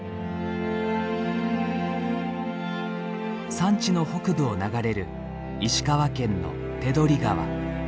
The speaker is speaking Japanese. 山地の北部を流れる石川県の手取川。